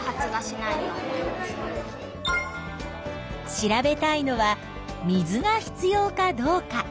調べたいのは水が必要かどうか。